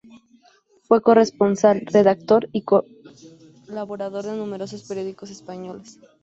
Fue corresponsal, redactor y colaborador de numerosos periódicos españoles.